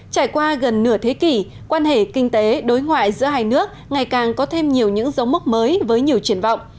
trải qua gần nửa thế kỷ quan hệ kinh tế đối ngoại giữa hai nước ngày càng có thêm nhiều những dấu mốc mới với nhiều triển vọng